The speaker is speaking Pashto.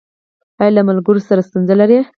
ایا له ملګرو سره ستونزې لرئ؟